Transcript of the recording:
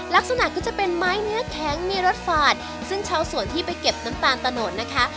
ลักษณะก็จะเป็นไม้เนื้อแข็งมีรสฝาดซึ่งชาวสวนที่ไปเก็บน้ำตาลตะโนดนะคะ